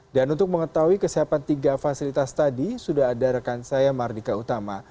dan untuk mengetahui kesehatan tiga fasilitas tadi sudah ada rekan saya mardika utama